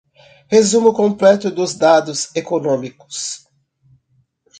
Resumo completo dos dados econômicos.